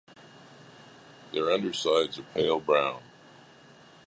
Their undersides are pale brown.